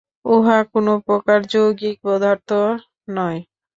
উহা কোন প্রকার যৌগিক পদার্থ নয়।